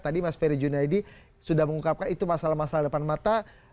tadi mas ferry junaidi sudah mengungkapkan itu masalah masalah depan mata